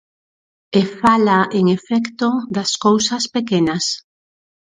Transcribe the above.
E fala, en efecto, das cousas pequenas.